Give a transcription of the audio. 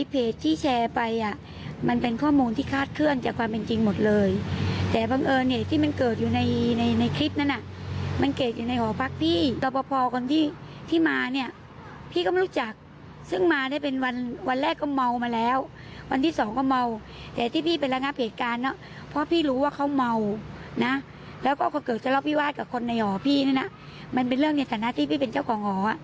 พี่วาดกับคนในห่อพี่นี่นะมันเป็นเรื่องในฐานะที่พี่เป็นเจ้าของห่อ